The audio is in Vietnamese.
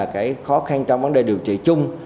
cái khó khăn trong vấn đề điều trị chung